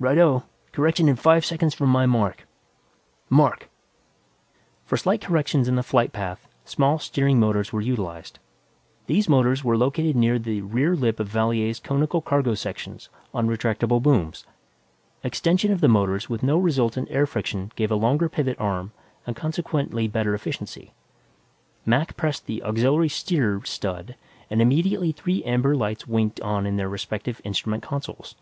"Right o. Correction in five seconds from my mark mark!" For slight corrections in the flight path, small steering motors were utilized. These motors were located near the rear lip of Valier's conical cargo section on retractable booms. Extension of the motors with no resultant air friction gave a longer pivot arm and consequently better efficiency. Mac pressed the "Aux. Steer" stud and immediately three amber lights winked on in their respective instrument consoles.